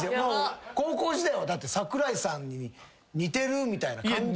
高校時代は桜井さんに似てるみたいな感じで。